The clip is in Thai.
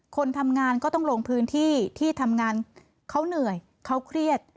คนทำงานก็ต้องลงพื้นที่ที่ทำงานเขาเหนื่อยเขาเครียด